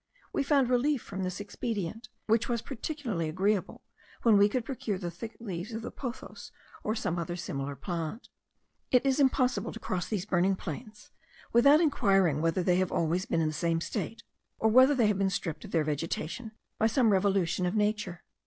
We found relief from this expedient, which was particularly agreeable, when we could procure the thick leaves of the pothos or some other similar plant. It is impossible to cross these burning plains, without inquiring whether they have always been in the same state; or whether they have been stripped of their vegetation by some revolution of nature.